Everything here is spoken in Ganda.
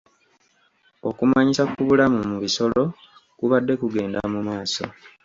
Okumanyisa ku bulamu mu bisolo kubadde kugenda mu maaso.